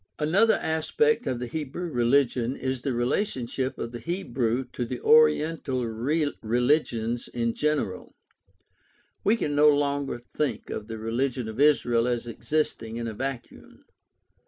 — Another aspect of the study of Hebrew religion is the relationship of the Hebrew to the oriental religions in general. We can no longer think of the religion of Israel as existing in a vacuum.